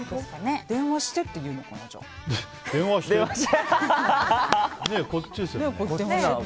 電話してって言うのかな？